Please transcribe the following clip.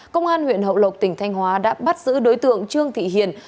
công an huyện hậu lộc tỉnh thanh hóa đã bắt giữ đối tượng trương thị hiền